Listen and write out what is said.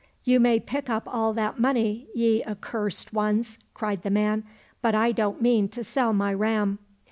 —" You may pick up all that money, ye accursed ones," cried the man, " but I don't mean to sell my ram."